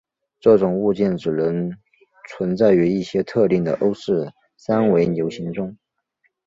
这种物件只能存在于一些特定的欧氏三维流形中。